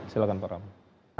silahkan pak ramli